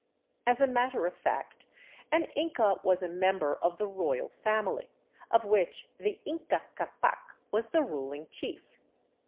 As a matter of fact, an inca was a member of the royal family, of which the Inca Ccdpac was the ruling chief.